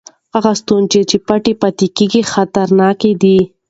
هغه ستونزې چې پټې پاتې وي خطرناکې دي.